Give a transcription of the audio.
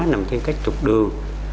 nằm trên các trục đường